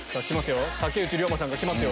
竹内涼真さんが来ますよ。